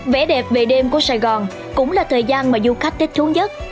vẻ đẹp về đêm của sài gòn cũng là thời gian mà du khách thích thú nhất